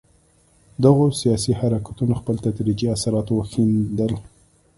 دغو سیاسي حرکتونو خپل تدریجي اثرات وښندل.